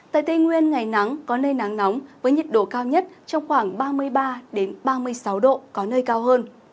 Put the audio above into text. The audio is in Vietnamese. tại tây nguyên ngày nắng có nơi nắng nóng với nhiệt độ cao nhất trong khoảng ba mươi ba ba mươi sáu độ có nơi cao hơn